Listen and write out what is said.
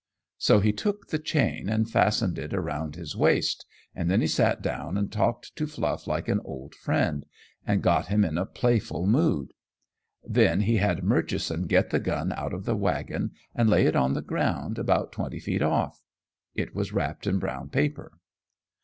So he took the chain and fastened it around his waist, and then he sat down and talked to Fluff like an old friend, and got him in a playful mood. Then he had Murchison get the gun out of the wagon and lay it on the ground about twenty feet off. It was wrapped in brown paper.